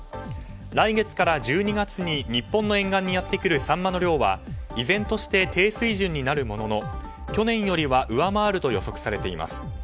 来月から１２月に日本の沿岸にやってくるサンマの量は依然として低水準になるものの去年よりは上回ると予測されています。